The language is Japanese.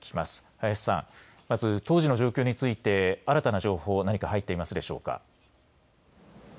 林さん、まず当時の状況について新たな情報、何か入っていますでしょうか。